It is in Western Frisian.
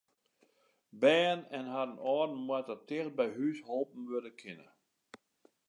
Bern en harren âlden moatte tichteby hús holpen wurde kinne.